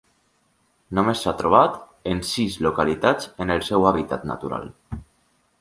Només s'ha trobat en sis localitats en el seu hàbitat natural.